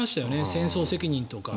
戦争責任とか。